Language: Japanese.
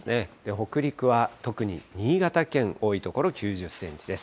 北陸は特に新潟県、多い所９０センチです。